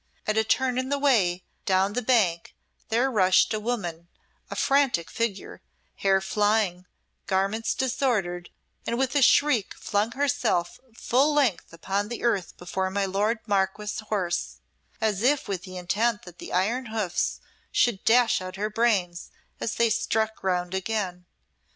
At a turn in the way, down the bank, there rushed a woman, a frantic figure, hair flying, garments disordered, and with a shriek flung herself full length upon the earth before my lord Marquess's horse, as if with the intent that the iron hoofs should dash out her brains as they struck ground again.